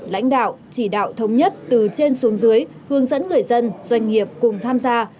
lãnh đạo chỉ đạo thống nhất từ trên xuống dưới hướng dẫn người dân doanh nghiệp cùng tham gia